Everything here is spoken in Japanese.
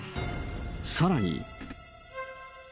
さらに。